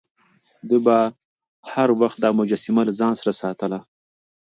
ده به هر وخت دا مجسمه له ځان سره ساتله.